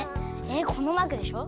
えっこのマークでしょ？